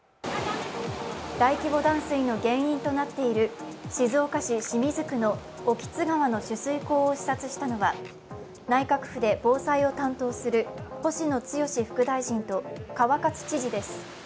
大規模断水の原因となっている静岡県清水市の興津川の取水口を視察したのは、内閣府で防災を担当する星野剛士副大臣と川勝知事です。